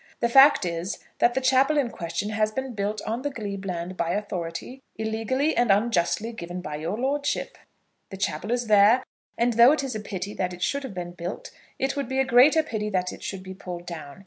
The fact is, that the chapel in question has been built on the glebe land by authority illegally and unjustly given by your lordship. The chapel is there, and though it is a pity that it should have been built, it would be a greater pity that it should be pulled down.